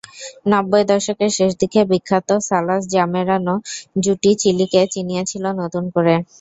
নব্বই দশকের শেষ দিকে বিখ্যাত সালাস-জামেরানো জুটি চিলিকে চিনিয়েছিল নতুন করে।